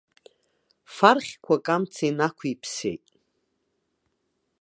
Фархьқәак амца инақәиԥсеит.